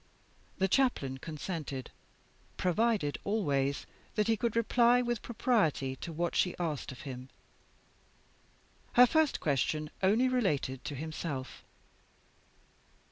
The Chaplain consented; provided always that he could reply with propriety to what she asked of him. Her first question only related to himself.